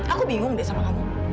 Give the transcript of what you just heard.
aku bingung deh sama kamu